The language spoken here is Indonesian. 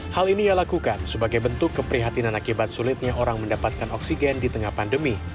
hal ini ia lakukan sebagai bentuk keprihatinan akibat sulitnya orang mendapatkan oksigen di tengah pandemi